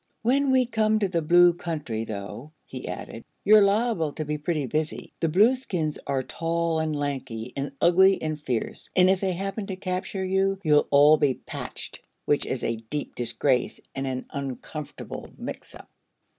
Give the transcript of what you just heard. "When we come to the Blue Country, though," he added, "you're liable to be pretty busy. The Blueskins are tall an' lanky, an' ugly an' fierce, an' if they happen to capture you, you'll all be patched which is a deep disgrace an' a uncomfertable mix up."